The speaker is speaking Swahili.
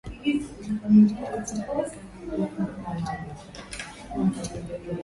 Brazil Costa Rica na Uruguay wametaka kuondolewa kwa adhabu ya